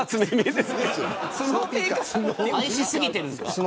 愛し過ぎているんです。